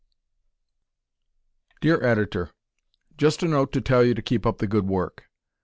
Dear Editor: Just a note to tell you to keep up the good work.